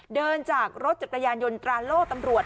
เดินจากรถจักรยานยนต์ตราโล่ตำรวจ